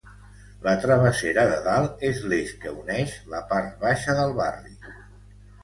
La travessera de Dalt és l'eix que uneix la part baixa del barri.